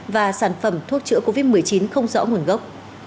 và sản phẩm thuốc chữa covid một mươi chín không rõ nguồn gốc